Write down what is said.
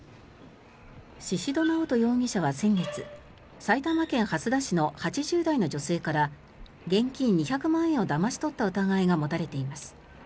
宍戸直人容疑者は先月埼玉県蓮田市の８０代の女性から現金２００万円をだまし取った疑いが持たれています。